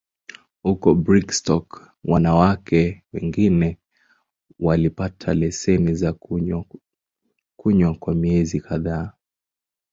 Huko Brigstock, wanawake wengine walipata leseni za kunywa kwa miezi kadhaa.